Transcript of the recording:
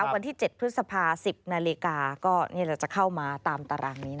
วันที่๗พฤษภาคม๑๐นก็จะเข้ามาตามตารางนี้